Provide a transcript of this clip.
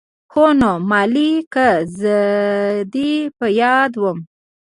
هو نو مالې که زه دې په ياده وم.